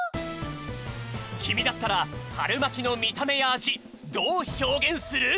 きみだったらはるまきのみためやあじどうひょうげんする？